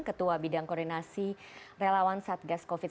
ketua bidang koordinasi relawan satgas covid sembilan belas